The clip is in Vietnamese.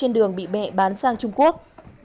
trên đường bị mẹ bán sang trung quốc